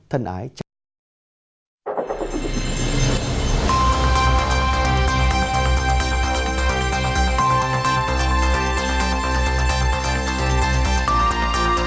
thân ái chào tạm biệt